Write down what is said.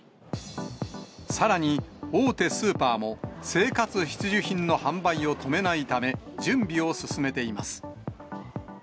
さらに、大手スーパーも生活必需品の販売を止めないため、準備を進めています。